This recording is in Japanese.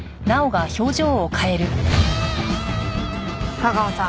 架川さん。